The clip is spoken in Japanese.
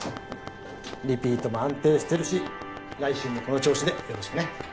リピートも安定してるし来週もこの調子でよろしくね。